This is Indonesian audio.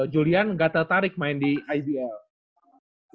julian nggak tertarik main di ibl